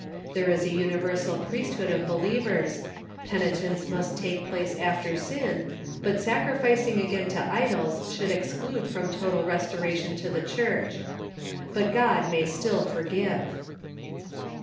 There is a universal priesthood of believers. Penitence must take place after sin, but sacrificing again to idols should ex clude from total restoration to the Church. But God may still forgive.